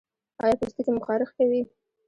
ایا پوستکی مو خارښ کوي؟